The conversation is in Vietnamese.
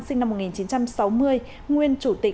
sinh năm một nghìn chín trăm sáu mươi nguyên chủ tịch